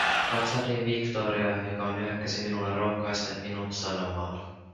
Katsahdin Victoria, joka nyökkäsi minulle rohkaisten minut sanomaan: